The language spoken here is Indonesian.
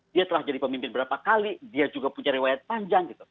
dia telah jadi pemimpin berapa kali dia juga punya riwayat panjang gitu